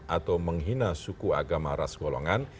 atau menghina suku agama ras golongan